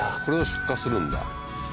これを出荷するんだ